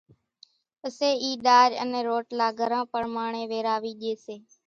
پسي اِي ڏارِ انين روٽلا گھران پرماڻي ويراوي ڄي سي،